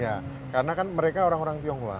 ya karena kan mereka orang orang tionghoa